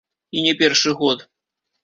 І не першы год.